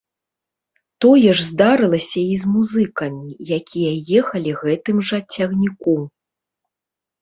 Тое ж здарылася і з музыкамі, якія ехалі гэтым жа цягніку.